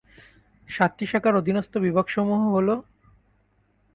সাতটি শাখার অধীনস্থ বিভাগসমূহ হল